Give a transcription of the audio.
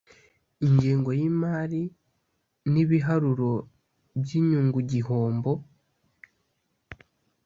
ingengo y’imari n’ibiharuro by ‘inyungugihombo